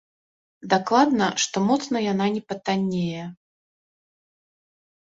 Дакладна, што моцна яна не патаннее.